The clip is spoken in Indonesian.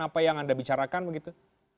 apa yang anda bicarakan begitu